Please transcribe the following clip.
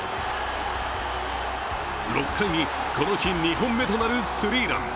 ６回に、この日２本目となるスリーラン。